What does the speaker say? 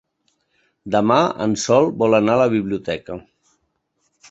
Demà en Sol vol anar a la biblioteca.